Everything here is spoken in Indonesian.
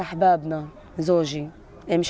yang tidak akan duduk di rumah